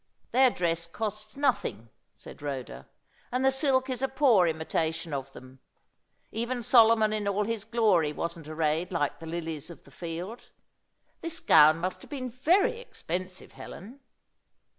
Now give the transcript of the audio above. "Their dress costs nothing," said Rhoda, "and the silk is a poor imitation of them. Even Solomon in all his glory wasn't arrayed like the lilies of the field. This gown must have been very expensive, Helen."